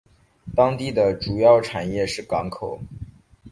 当地的主要产业是港口。